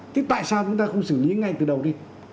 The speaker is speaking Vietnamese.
thế tại sao chúng ta không xử lý ngay từ đầu đi